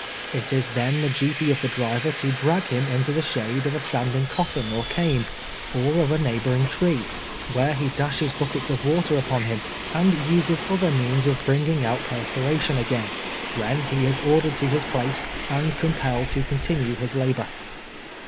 It is then the duty of the driver to drag him into the shade of the stand ing cotton or cane, or of a neighboring tree, where he dashes buckets of M'ater upon him, and uses other means of bringing out perspiration again, when he is ordered to his jjlace, and compelled to continue his labor.